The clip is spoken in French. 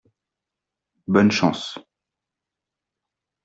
Bonne chance !